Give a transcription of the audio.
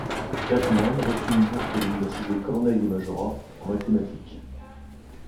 Bergmann reçut une bourse de l’Université Cornell et majora en mathématiques.